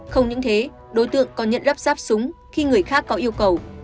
không những thế đối tượng còn nhận lắp ráp súng khi người khác có yêu cầu